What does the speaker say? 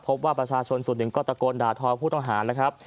พบว่าประชาชนส่วนหนึ่งก็ตะโกนด่าทอผู้ต้องหานะครับ